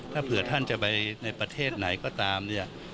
ถ้าเผื่อท่านจะไปในประเทศไหนก็ตามเนี่ย